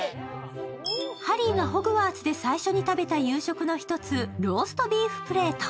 ハリーがホグワーツで最初に食べた夕食の１つ、ローストビーフプレート。